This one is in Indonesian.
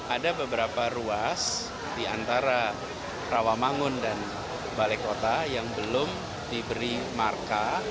ada beberapa ruas di antara rawamangun dan balai kota yang belum diberi marka